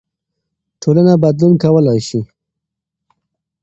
ټولنه بدلون کولای سي.